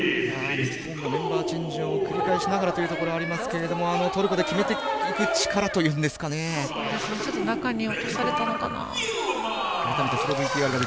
日本がメンバーチェンジを繰り返しながらというところではありますけれどもトルコの決めていく中に落とされたのかな。